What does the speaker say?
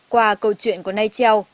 qua câu chuyện của nay chieu